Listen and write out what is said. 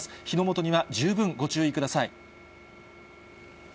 火の元には十分ご注意ください。